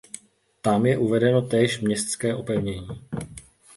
Tam je uvedeno též městské opevnění.